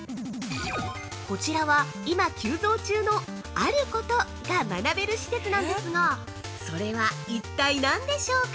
こちらは、今急増中のあることが学べる施設なんですがそれは一体なんでしょうか？